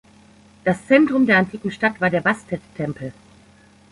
Das Zentrum der antiken Stadt war der Bastet-Tempel.